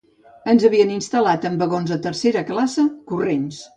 Ens havien instal·lat en vagons de tercera classe corrents